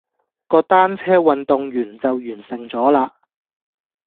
個單車運動員就完成咗啦